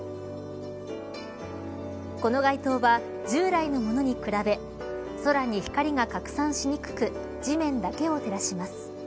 この街灯は、従来のものに比べ空に光が拡散しにくく地面だけを照らします。